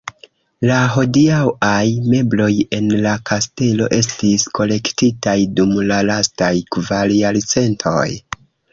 La hodiaŭaj mebloj en la kastelo estis kolektitaj dum la lastaj kvar jarcentoj.